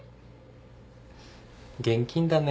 現金だね。